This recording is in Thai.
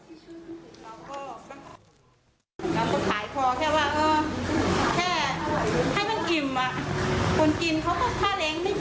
พักอะไรก็แพงทุกอย่างแล้วหมูก็ซื้อเหมือนเดิม